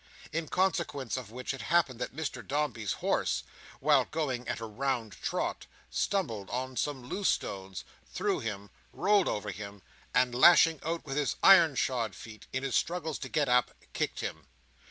In consequence of which it happened that Mr Dombey's horse, while going at a round trot, stumbled on some loose stones, threw him, rolled over him, and lashing out with his iron shod feet, in his struggles to get up, kicked him.